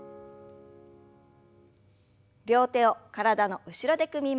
両手を体の後ろで組みましょう。